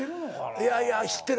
いやいや知ってる。